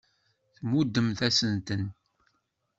Tmuddemt-asent-ten.